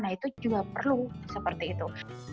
nah itu juga perlu seperti itu